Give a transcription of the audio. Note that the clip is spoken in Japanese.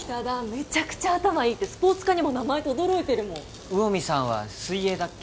めちゃくちゃ頭いいってスポーツ科にも名前とどろいてるもん魚見さんは水泳だっけ？